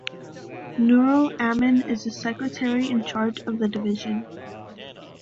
Nurul Amin is the Secretary in charge of the division.